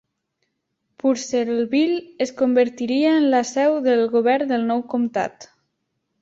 Purcellville es convertiria en la seu del govern del nou comtat.